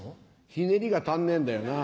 ひねりが足んねえんだよな。